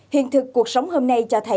hiện thực cuộc sống hôm nay cho thấy